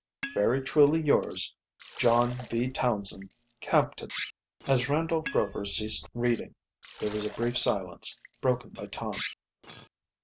"Very truly yours, "JOHN V. TOWNSEND, Captain." As Randolph Rover ceased reading there was a brief silence, broken by Tom.